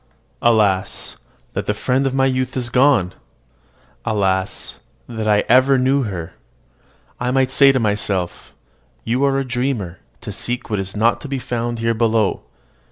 Alas, that the friend of my youth is gone! Alas, that I ever knew her! I might say to myself, "You are a dreamer to seek what is not to be found here below."